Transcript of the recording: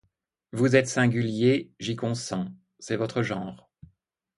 Vous êtes singulier, j'y consens, c'est votre genre.